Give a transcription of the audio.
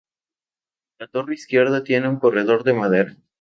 La torre izquierda tiene un corredor de madera.